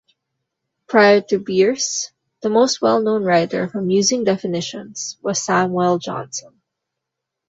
Prior to Bierce, the most well-known writer of amusing definitions was Samuel Johnson.